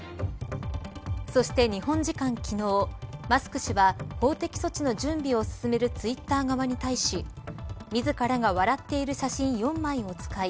そして日本時間昨日マスク氏は法的措置の準備を進めるツイッター側に対し自らが笑っている写真４枚を使い